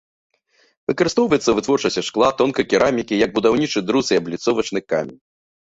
Выкарыстоўваецца ў вытворчасці шкла, тонкай керамікі, як будаўнічы друз і абліцовачны камень.